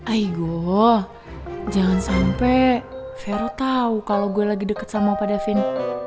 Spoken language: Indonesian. aigoo jangan sampai vero tau kalau gue lagi deket sama pak devin